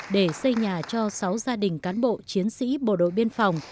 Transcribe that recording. để xây nhà cho sáu gia đình cán bộ chiến sĩ bộ đội biên phòng